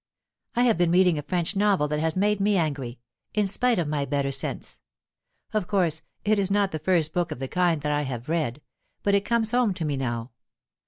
"I have been reading a French novel that has made me angry in spite of my better sense. Of course, it is not the first book of the kind that I have read, but it comes home to me now.